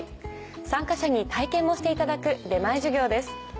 参加者に体験もしていただく出前授業です。